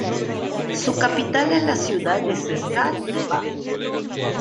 Su capital es la ciudad de Česká Lípa.